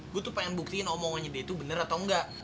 gue tuh pengen buktiin omongannya dia itu benar atau enggak